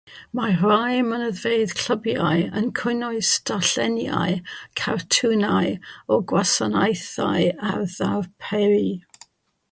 Mae rhai mynedfeydd clybiau yn cynnwys darluniau cartwnau o'r gwasanaethau a ddarperir.